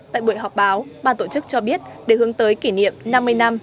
tại buổi họp báo ban tổ chức cho biết để hướng tới kỷ niệm năm mươi năm